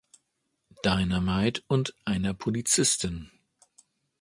Dynamite und einer Polizistin.